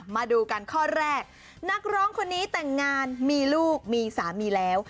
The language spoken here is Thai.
มาดูกันข้อแรกนักร้องคนนี้แต่งงานมีลูกมีสามีแล้ว